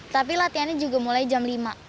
tapi latihannya juga mulai jam lima